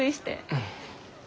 うん。